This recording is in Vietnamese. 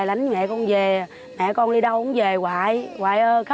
là đi theo người yêu của mình